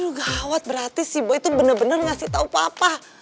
aduh gawat berarti si boy itu bener bener ngasih tau papa